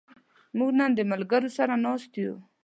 موږ نن د ملګرو سره ناست یو.